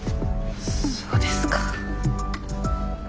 そうですか。